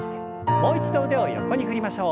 もう一度腕を横に振りましょう。